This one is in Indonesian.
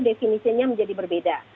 definisinya menjadi berbeda